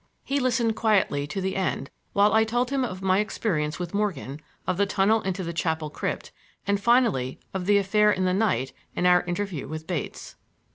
He listened quietly to the end while I told him of my experience with Morgan, of the tunnel into the chapel crypt, and finally of the affair in the night and our interview with Bates.